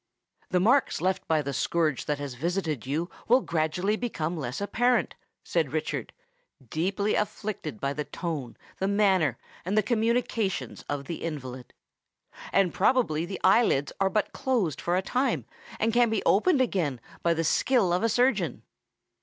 "The marks left by the scourge that has visited you will gradually become less apparent," said Richard, deeply afflicted by the tone, the manner, and the communications of the invalid; "and probably the eye lids are but closed for a time, and can be opened again by the skill of a surgeon."